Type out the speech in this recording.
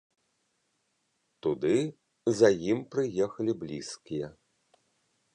Туды за ім прыехалі блізкія.